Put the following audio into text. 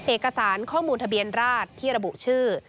เอกสารข้อมูลทะเบียนราชที่ระบุชื่อ